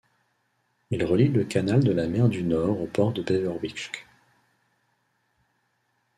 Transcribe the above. Il relie le Canal de la Mer du Nord au port de Beverwijk.